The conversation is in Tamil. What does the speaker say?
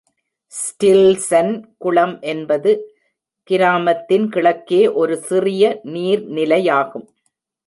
ஸ்டில்சன் குளம் என்பது கிராமத்தின் கிழக்கே ஒரு சிறிய நீர் நிலையாகும்.